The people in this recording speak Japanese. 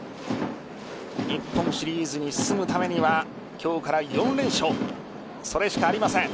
日本シリーズに進むためには今日から４連勝それしかありません。